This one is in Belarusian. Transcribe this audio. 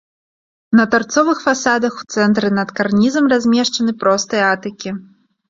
На тарцовых фасадах у цэнтры над карнізам размешчаны простыя атыкі.